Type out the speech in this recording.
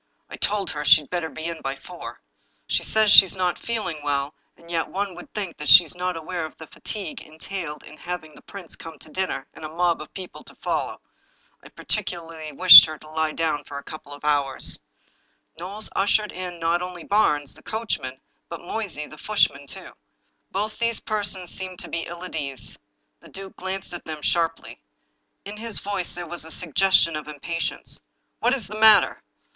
" I told her she'd better be in by four. She says that she's not feeling well, and yet one would think that she was not aware of the fatigue entailed in having the prince come to dinner, and a mob of people to follow. I particularly wished her to lie down for a couple of hours." Knowles ushered in not only Barnes, the coachman, but Moysey, the footman, too. Both these persons seemed to be ill at ease. The duke glanced at them sharply. In liis voice there was a suggestion of impatience. " What is the matter?